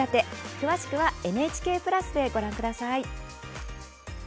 詳しくはＮＨＫプラスでご覧ください。